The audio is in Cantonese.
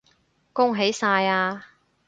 恭喜晒呀